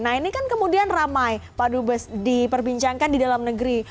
nah ini kan kemudian ramai pak dubes diperbincangkan di dalam negeri